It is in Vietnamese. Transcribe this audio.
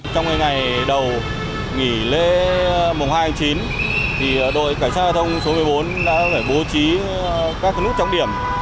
trong ngày đầu nghỉ lễ mùng hai tháng chín đội cảnh sát giao thông số một mươi bốn đã phải bố trí các nút trọng điểm